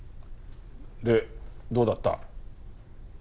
でどうだった？